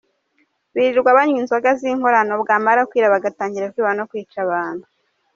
Birirwa banywa inzoga z’inkorano bwamara kwira bagatangaira kwiba no kwica abantu.